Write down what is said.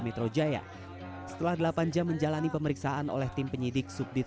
metro jaya setelah delapan jam menjalani pemeriksaan oleh tim penyidik subdit